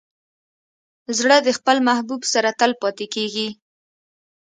زړه د خپل محبوب سره تل پاتې کېږي.